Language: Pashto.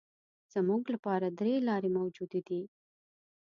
زموږ لپاره درې لارې موجودې دي.